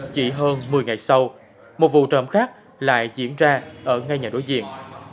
chỉ hơn một mươi ngày sau một vụ trộm khác lại diễn ra ở ngay nhà đối diện